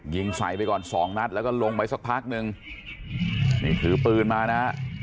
ยิงใส่ไปก่อนสองนัดแล้วก็ลงไปสักพักนึงนี่ถือปืนมานะฮะ